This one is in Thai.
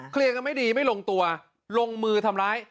กันไม่ดีไม่ลงตัวลงมือทำร้าย